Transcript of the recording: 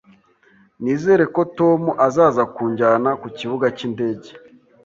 Nizere ko Tom azaza kunjyana ku kibuga cy'indege